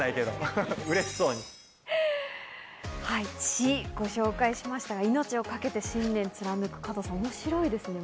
『チ。』ご紹介しましたが、命を懸けて信念を貫く、面白いですね。